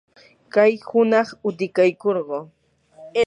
kay hunaq utikaykurquu.